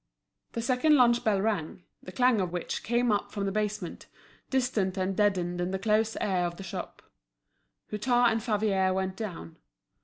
The second lunch bell rang, the clang of which came up from the basement, distant and deadened in the close air of the shop. Hutin and Favier went down.